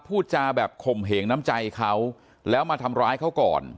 พูดจาแบบข่มเหงน้ำใจเขาแล้วมาทำร้ายเขาก่อน